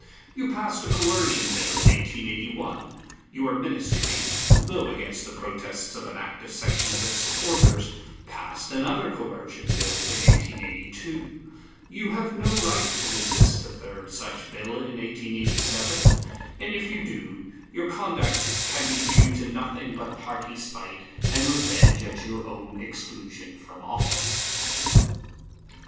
"You passed a Coercion Bill in 1881, your Ministry (though against the protests of an active section of its supporters) passed another Coercion Bill in 1882; you have no right to resist a third such Bill in 1887, and, if you do, your conduct can be due to nothing but party spite and revenge at your own exclusion from office."